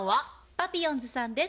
パピヨンズさんです。